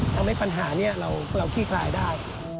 ทำให้ปัญหานี้เราขี้คลายได้